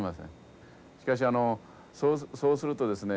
しかしあのそうするとですね